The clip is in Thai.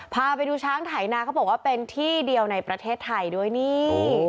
พาไปดูช้างไถนาเขาบอกว่าเป็นที่เดียวในประเทศไทยด้วยนี่